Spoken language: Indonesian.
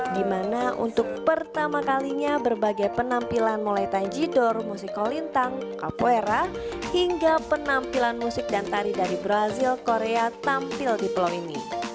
di mana untuk pertama kalinya berbagai penampilan mulai tanjidor musik kolintang kapoera hingga penampilan musik dan tari dari brazil korea tampil di pulau ini